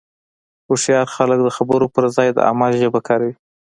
هوښیار خلک د خبرو پر ځای د عمل ژبه کاروي.